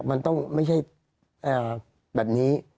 มันต้องไม่ใช่แบบนี้